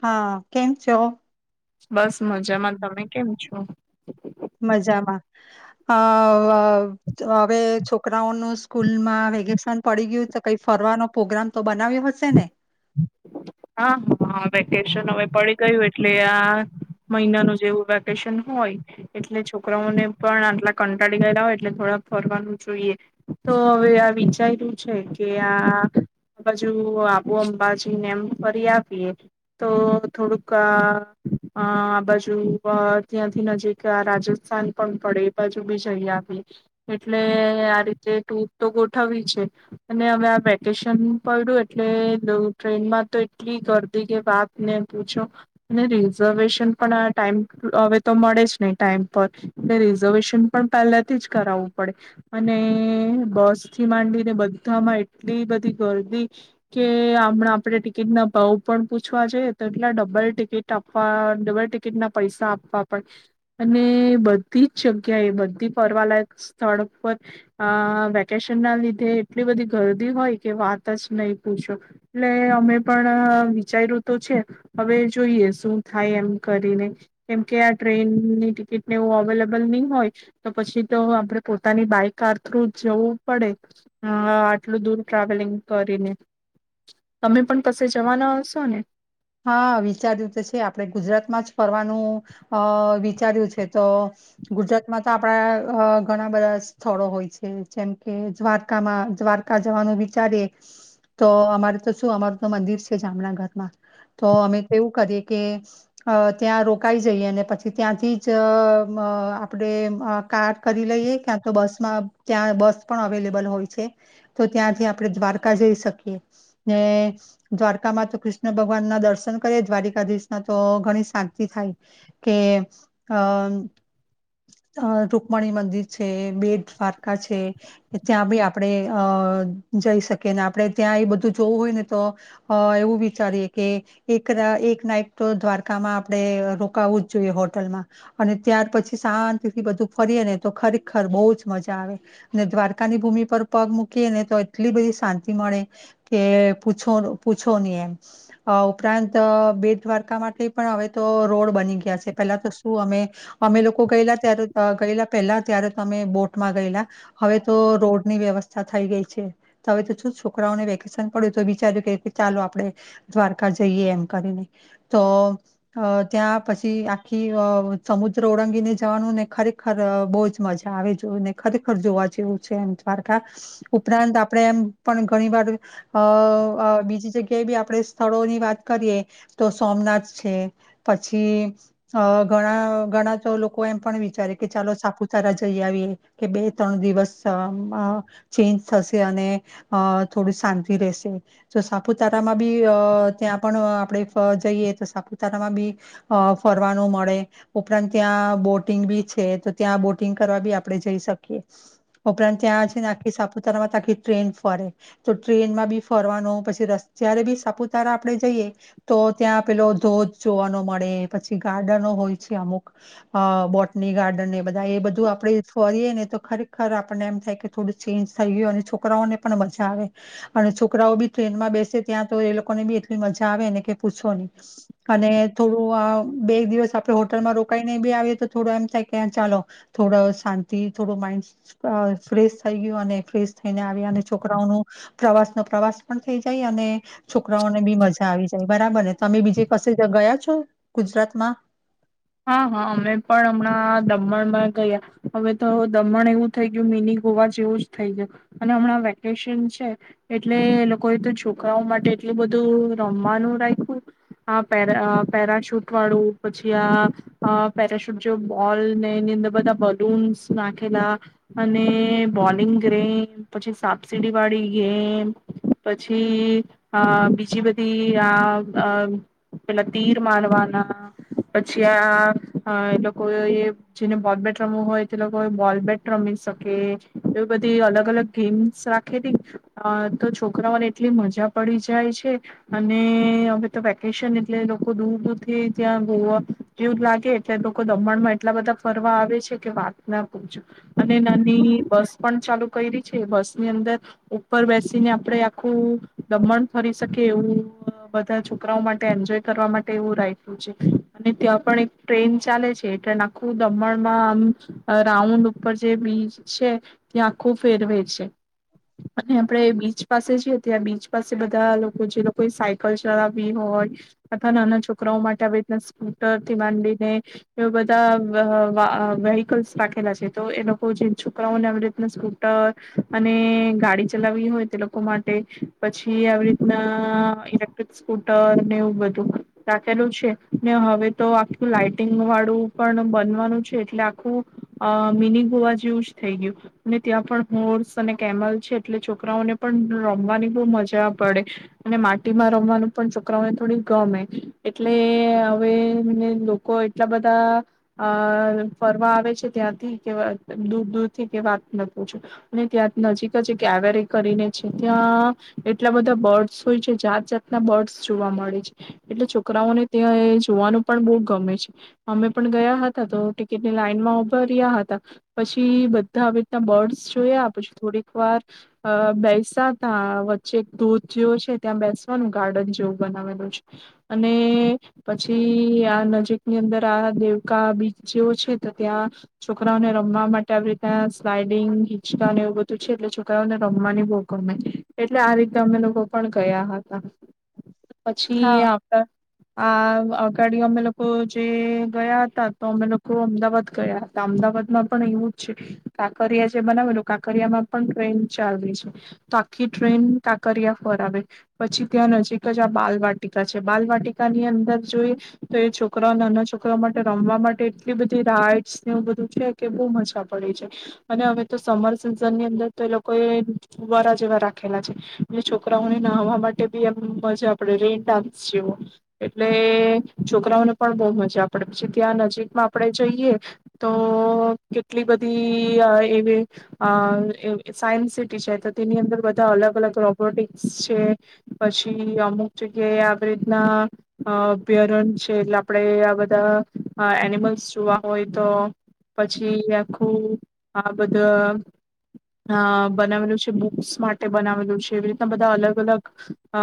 હા કેમ છો. બસ મજામાં તમે કેમ છો. મજામાં અ હવે છોકરાઓનું સ્કૂલમાં વેકેશન પડી ગયું તો કઈ ફરવાનો પ્રોગ્રામ તો બને હા, હ વેકેશન હવે પડી ગયું એટલે આ મહિનાનું જેવું વેકેશન હોય એટલે છોકરાઓને પણ આટલા કંટાળી ગયેલા હોય એટલે થોડા ફરવાનું જોઈએ તો હવે આ વિચાર્યું છે કે આ આબુ, અંબાજીને એમ ફરી આવીએ તો થોડુંક આ બાજુ ત્યાંથી નજીક રાજસ્થાન પણ પડે એ બાજુ બી જઈ આવીએ એટલે આ રીતે ટુર તો ગોઠવી છે અને હવે આ વેકેશન પડ્યું એટલે ટ્રેનમાં તો એટલી ગર્દી કે વાત ને પૂછો અને રિઝર્વેશન પણ આ ટાઈમ હવે તો મળે જ નહી ટાઈમ પર એટલે રિઝર્વેશન પણ પહેલાથી જ કરાવવું પડે અને બસ થી માંડીને બધામાં એટલી બધી ગરદી કે હમણાં આપડ ટિકિટ ના ભાવ પણ પૂછવા જઈએ તો એટલા ડબલ ટિકિટ આપવા ડબલ ટિકિટ ના પૈસા આપવા પડ અને બધી જ જગ્યાએ બધી ફરવાલાયક સ્થળ પર આ વેકેશન ના લીધે એટલી બધી ગરદી હોય કે વાત જ નહી પૂછો એટલે અમે પણ વિચાર્યું તો છે હવે જોઈએ શું થાય એમ કરીને કેમકે આ ટ્રેનની ટિકિટ ને એવ અવેલેબલ નહી હોય તો પછી તો આપણે પોતાની બાય કાર થ્રુ જવું પડે આટલું દૂર ટ્રાવેલિંગ કરીને તમે પણ કશે જવાના હશો ને હા, વિચાર્યું તો છે આપડે ગુજરાતમાં જ ફરવાનું અ વિચાર્યું છે તો ગુજરાતમાં તો આપણા ઘણા બધા સ્થળો હોય છે જેમ કે દ્વારકામાં દ્વારકા જવાનું વિચારીએ તો અમારું તો શું અમારું તો મંદિર છે જામનગરમાં તો અમે તેવું કરીએ કે ત્યાં રોકાઈ જઈએ અને પછી ત્યાંથી જ આપણેે કાર કરી લઈએ ક્યાં તો બસમાં ત્યાં બસ પણ અવેલેબલ હોય છે તો ત્યાંથી આપણે દ્વારકા જઈ શકીએ ને દ્વારકામાં તો કૃષ્ણ ભગવાન ના દર્શન કરીએ દ્વારિકાધીશ ના તો ઘણી શાંતિ થાય કે અ રુકમણી મંદિર છે, બેટદ્વારકા છે, ત્યાં બી આપણેે અ જઈ શકીએ ને આપણે ત્યાં એ બધું જોવું હોય ને તો એવું વિચારીએ કે એક રાત એક નાઈટ તો દ્વારકામાં આપણેે રોકાવવું જ જોઈએ હોટલમાં અને ત્યાર પછી શાંતિથી બધું ફરીએ ને તો ખરેખર બહુ જ મજા આવે દ્વારકાની ભૂમિ પર પગ મૂકીએ ને તો એટલી બધી શાંતિ મળે કે પૂછો, પૂછો નહી એમ ઉપરાંત બેટદ્વારકા માટે પણ હવે તો રોડ બની ગયા છે પેલા તો શું અમે અમે લોકો ગયેલા ત્યારે ગયેલા પેલા ત્યારે તો અમે બોટમાં ગયેલા હવે તો રોડની વ્યવસ્થા થઈ ગઈ છે હવે તો શું છોકરાઓને વેકેશન પડ્યું તો વિચાર્યું કે ચાલો આપડે દ્વારકા જઈએ એમ કરીને તો ત્યાં પછી આખી અ સમુદ્ર ઓળંગીને જવાનું ને ખરેખર બહુ જ મજા આવે જો ને ખરેખર જોવા જેવું છે એમ દ્વારકા ઉપરાંત આપણેે એમ પણ ઘણી વાર અ બીજી જગ્યાએ બી આપણે સ્થળોની વાત કરીએ તો સોમનાથ છે પછી અ ઘણા ઘણા તો લોકો એમ પણ વિચારે કે ચાલો સાપુતારા જઈ આવીએ કે બે, ત્રણ, દિવસ ચેન્જ થશે અને થોડી શાંતિ રહેશે તો સાપુતારામાં બી ત્યાં પણ આપડે જઈએ તો સાપુતારામાં બી ફરવાનું મળે ઉપરાંત ત્યાં બોટિંગ બી છે તો ત્યાં બોટિંગ કરવા બી આપડે જઈ શકીએ ઉપરાંત ત્યાં છેને આખી સાપુતારા માંખી ટ્રેન ફરે તો ટ્રેન માં બી ફરવાનો પછી રસ્ત્યારે બી સાપુતારા આપડે જઈએ તો ત્યાં પેલો ધોધ જોવાનો મળે પછી ગાર્ડનો હોય છે, અમુક બોટની ગાર્ડન એ બધા એ બધું આપડે ફરીએ ને તો ખરેખર આપણને એમ થાય કે થોડું ચેન્જ થઈ ગયું અને છોકરાઓને પણ મજા આવે અને છોકરાઓ બી ટ્રેનમાં બેસે ત્યાં તો એ લોકોને બી એટલી મજા આવે અને કે પૂછો નહી, અને થોડું આ બે દિવસ આપણે હોટલમાં રોકાઈને બી આવીએ તો થોડો એમ થાય કે ચાલો થોડો શાંતિ થોડો માઈન્ડ ફ્રેશ થઈ ગયો અને ફ્રેશ થઈને આવ અને છોકરાઓ ન પ્રવાસ નો પ્રવાસ પણ થઈ જાય અને છોકરાઓને બી મજા આવી જાય બરાબર ને તમે બીજે કશે ગયા છો ગુજરાતમાં હા, હા, અમે પણ હમણાં દમણમાં ગયા હવે તો દમણ એવું થઈ ગયું મિની ગોવા જેવું જ થઈ ગયું અને હમણાં વેકેશન છે એટલે લોકોએ તો છોકરાઓ માટે એટલું બધું રમવાનું રાખ્યું આ પેરા પેરાશૂટ વાળું પછી આ અ પેરાશૂટ જો બોલ ને એની અંદર બધા બલૂન્સ નાખેલા અને બોલિંગ ગેમ પછી સાપસીડી વાળી ગેમ પછી આ બીજી બધી આ પેલા તીર મારવાના પછી ત્યાં એ લોકો જેને બોલ બેટ રમવું હોય તે લોકો બોલ બેટ રમી શકે એવી બધી અલગ અલગ ગેમ્સ રાખે તો છોકરાઓને એટલી મજા પડી જાય છે અને હવે તો વેકેશન એટલે લોકો દૂર દૂરથી ત્યાં ગોવા એવું લાગે એટલે લોકો દમણ માં એટલા બધા ફરવા આવે છે કે વાત ના પૂછો અને નાની બસ પણ ચાલુ કરી છે બસ ની અંદર ઉપર બેસીને આપણે આખું દમણ ફરી શકીએ એવું બધા છોકરાઓ માટે એન્જોય કરવા માટે એવું રાખ્યું છે અને ત્યાં પણ એક ટ્રેન ચાલે છે એટલે આખું દમણમાં આમ રાઉન્ડ ઉપર જે બીચ છે ત્યાં આખું ફેરવે છે અને આપડે બીચ પાસે છી ત્યાં બીચ પાસે બધા લોકો જે લોકો સાયકલ ચલાવવી હોય અથવા નાના છોકરાઓ માટે આવી રીતના સ્કૂલ ને એ બધા વેહકલ્સ રાખેલા છે તો એ લોકો જે છોકરાઓને આવી રીતના સ્કૂટર અને ગાડી ચલાવી હોય તે લોકો માટે પછી આવી રીતના ઇલેક્ટ્રિક સ્કૂટરને એવું બધું રાખેલું છે ને હવે તો આખું લાાઈટિંગ વાળું પણ બનવાનું છે એટલે આખું મિની ગોવા જેવું જ થઈ ગયું અને ત્યાં પણ હોર્સ અને કેમલ છે એટલે છોકરાઓને પણ રમવાની બહુ મજા પડે અને માટીમાં રમવાનું પણ છોકરાઓને થોડી ગમે એટલે હવે લોકો એટલા બધા અ ફરવા આવે છે ત્યાંથી કે દૂર દૂર થી કે વાત ન પૂછો અને ત્યાં નજીક જ કેવેરી કરીને છે ત્યાં એટલા બધા બર્ડ્સ હોય છે જાત જાતના બર્ડસ જોવા મળે છે એટલે છોકરાઓને ત્યાં જોવાનું પણ બહુ ગમે છે, અમે પણ ગયા હતા તો ટિકિટની લાઈનમાં ઉભાર્યા હતા પછી બધા આવી રીતના બર્ડસ જોયા પછી થોડીક વાર બેસા તા વચ્ચે ધોધ જેવો છે ત્યાં બેસવાનું ગાર્ડન જેવું બનાવેલું છે અને પછી ત્યાં નજીકની અંદર આ દેવકા બીચ જેવો છે તો ત્યાં છોકરાઓને રમવા માટે આવી રીત ના ત્યા સ્લાઈડિંગ, હિચકાન એવું બધું છે એટલે છોકરાઓને રમવાની બહુ ગમે એટલે આ રીતે અમે લોકો પણ ગયા હતા પછી હા, આવતા આ અમે લોકો જે ગયા હતા તો અમે લોકો અમદાવાદ ગયા હતા, અમદાવાદમાં પણ એવું જ છે કાંકરિયા જે બનાવેલુ કાકરિયા માં પણ ટ્રેન ચાલવી છે તો આખી ટ્રેન કાંકરિયા ફરાવે આવે પછી ત્યાં નજીક જ આ બાલવાટિકા છે, બાલવાટિકા ની અંદર જોઈ તો એ છોકરાઓ અને નાનાછોકરાઓ માટે રમવા માટે એટલી બધી રાઈડસ એવું બધું છે કે બહુ મજા પડે છે અને હવે તો સમર સિઝન ની અંદર તો એ લોકો એ ફુવારા જેવા રાખેલા છે છોકરાઓને નાહવા માટે બી એમ મજા પડે રેન ડાન્સ જેવો એટલે છોકરાઓને પણ બહુ મજા પડે પછી ત્યાં નજીકમાં આપણેે જઈએ તો કેટલી બધી એવી અ સાયન્સ સિટી છે તો તેની અંદર બધા અલગ અલગ રોબોટિક્સ છે પછી અમુક જગ્યાએ આવી રીતના અભ્યારણ છે એટલે આપણેે આ બધા એનિમલ્સ જોવા હોય તો પછી આખું આ બધું અ બનાવેલું છે, બુક્સ માટે બનાવેલું છે, એવી રીતના બધા અલગ અલગ અ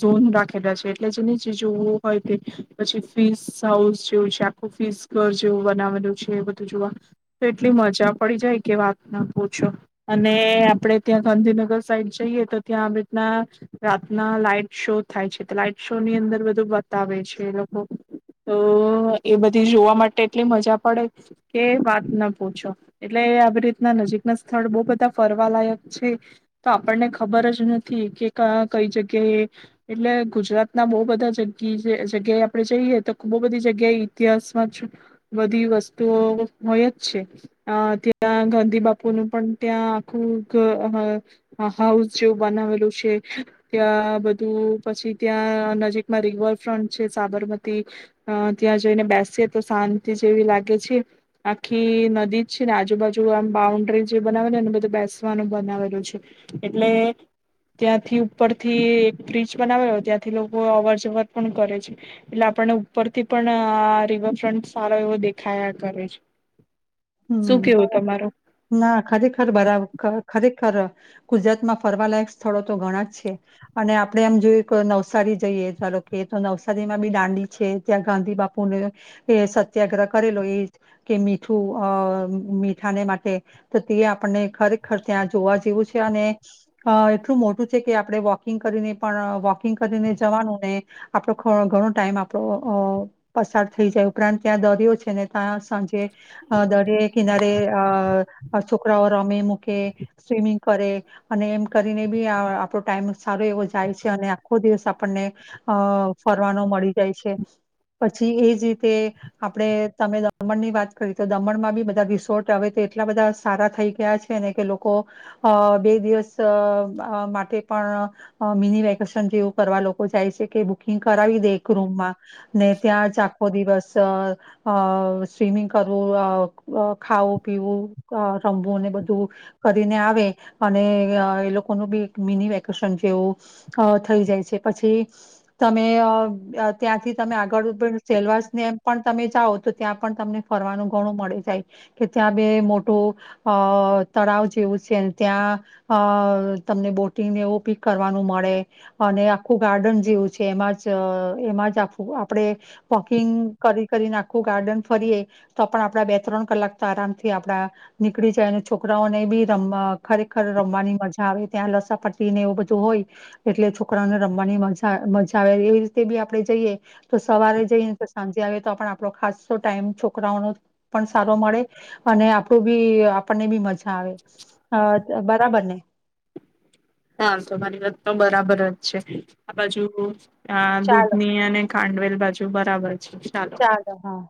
ઝોન રાખેલા છે, એટલે જેને જે જોવું હોય તે પછી ફીસ હાઉસ જેવું છે આખું ફીસ ઘર જેવું બનાવેલું છે એ બધું જોવા તો એટલી મજા પડી જાય કે વાત ના પૂછો છો અને આપડે ત્યાં ગાંધીનગર સાઈડ જઈએ તો ત્યાં આવી રીતના રાતના લાઈટ શો થાય છે લાઈટ શો ની અંદર બધું બતાવે છે તો એ બધી જોવા માટે એટલી મજા પડે કે વાત ના પૂછો એટલે આવી રીતના નજીક ના સ્થળ બહ બધા ફરવા લાયક છે, તો આપણને ખબર જ નથી કે કઈ જગ્યાએ એટલે ગુજરાતના બહુ બધા જ જગ્યાએ આપડે જઈએ તો ખુબ બધી જગ્યાએ ઇતિહાસમાં બધી વસ્તુઓ હોય જ છે અ ત્યાં ગાંધી બાપુ નું પણ ત્યાં આખું હાઉસ જેવું બનાવેલું છે ત્યાં બધું પછી ત્યાં નજીકમાં રિવરફ્રન્ટ છે સાબરમતી ત્યાં જઈને બેસીએ તો શાંતિ જેવી લાગે છે, આખી નદી જ છે, ને આજુબાજુ આમ બાઉન્ડ્રી જે બનાવે એ બધું બેસવાનું બનાવેલું છે, એટલે ત્યાંથી ઉપર થી એક બ્રિજ બનાવેલો ત્યાંથી લોકો અવર જવર પણ કરે છે એટલે આપણને ઉપરથી પણ રિવરફ્રન્ટ સારો એવો દેખાયા કરે છે હમ, શું કેવું તમારું ના ખરેખર બરાબર ખરેખર ખર ગુજરાત માં ફરવાલાયક સ્થળો તો ઘણા જ છે, અને આપડે એમ જોયું કે નવસારી જઈએ ચાલ કે તો નવસારીમાં બી દાંડી છે ત્યાં ગાંધી બાપુને એ સત્યાગ્રહ કરેલો એ કે મીઠું અ મીઠાને માટે તો તે આપણને ખરેખર ત્યાં જોવા જેવું છે અને અ એટલું મોટું છે કે આપણે વોકિંગ કરીને પણ વોકિંગ કરીને જવાનું ને આપણો ઘણો ટાઈમ આપણો અ પસાર થઈ જાય ઉપરાંત ત્યાં દરિયો છે ને ત્યાં સાંજે અ દરિયા કિનારે અ છોકરાઓ રમે મૂકે સ્વિમિંગ કરે અને એમ કરીને બી આપણો ટાઈમ સારો એવો જાય છે અને આખો દિવસ આપણને અ ફરવાનો મળી જાય છે પછી એજ રીતે આપણે તમે દમણની વાત કરી તો દમણમાં બી બધા રિસોર્ટ હવે તો એટલા બધા સારા થઈ ગયા છે ને કે લોકો અ બે દિવસ માટે પણ મિની વેકેશન જેવું કરવા લોકો જાય છે કે બુકિંગ કરાવી દે એક રૂમમાં ને ત્યાં જ આખો અ દિવસ સ્મિંગ કરવું અ ખાવું પીવું રમવું અ ને બધું કરીને આવે અને એ લોકોનું બી એક મિની વેકેશન જેવું થઈ જાય છે પછી તમે ત્યાંથી તમે આગળ સેલવાસ નેમ પણ તમે જાઓ તો ત્યાં પણ તમને ફરવાનું ઘણું મળે જાય કે ત્યાં બે મોટું અ તળાવ જેવું છે ત્યાં અ તમને બોટિંગને એવું બી કરવાનું મળે અને આખું ગાર્ડન જેવું છે એમાં જ એમાં જ આખું આપણે વોકિંગ કરી કરીને આખું ગાર્ડન ફરીએ તો પણ આપડા બે ત્રણ કલાક તો આરામ થી આપડા નીકળી જાય અને છોકરાઓને બી રમવા ખરેખર રમવાની મજા આવે ત્યાં લસરપટ્ટટી ને એવું બધું હોય એટલે છોકરાઓને રમવાની મજા મજા આવે એવી રીતે બી આપડે જઈએ તો સવારે જઈને તો સાંજે આવે તો પણ આપણો ખાસો ટાઈમ છો છોકરાઓનુ પણ સારો મળે અને આપણું બી આપણને બી મજા આવે અ બરાબર ને. હા તમારી વાત તો બરાબર છે આ બાજુ આ ચાલો દૂધની અને ખાંડવેલ બાજુ બરાબર. ચાલો હા.